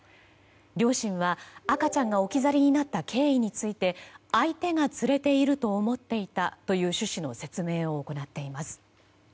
両親は、赤ちゃんが置き去りになった経緯について相手が連れていると思っていたという趣旨の説明を行っています。